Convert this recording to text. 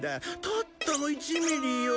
たったの１ミリよ。